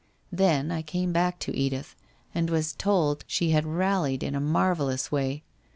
Then I came back to Edith and was told she had rallied' in a marvellous way.